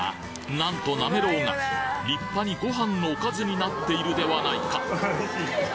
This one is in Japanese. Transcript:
なんとなめろうが立派にご飯のおかずになっているではないか！